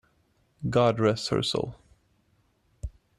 God rest her soul!